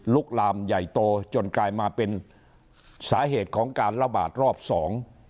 ลามใหญ่โตจนกลายมาเป็นสาเหตุของการระบาดรอบสอง